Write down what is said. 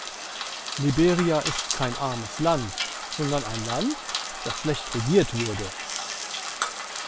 Liberia ist kein armes Land, sondern ein Land, das schlecht regiert wurde.